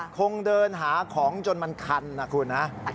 คงเดินหาของจนมันคันนะครับคุณ